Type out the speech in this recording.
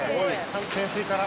「潜水から」